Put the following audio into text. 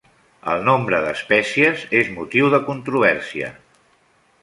El nombre d'espècies és motiu de controvèrsia.